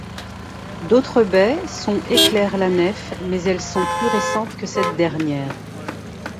D'autres baies sont éclairent la nef mais elle sont plus récentes que cette dernière.